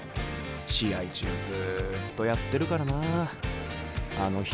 試合中ずっとやってるからなあの人。